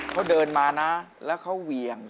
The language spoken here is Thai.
เขาเดินมานะแล้วเขาเหวี่ยง